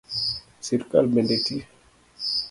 Sirkal bende ti